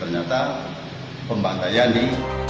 ternyata pembangkanya ini